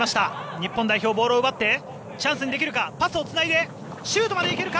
日本代表ボールを奪ってチャンスにできるかパスをつないでシュートまで行けるか！